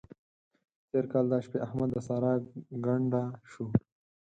تېر کال دا شپې احمد د سارا ګنډه شو.